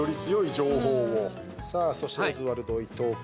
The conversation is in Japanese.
そして、オズワルド伊藤君。